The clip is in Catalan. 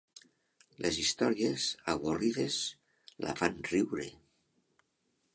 Les històries avorrides la fan riure.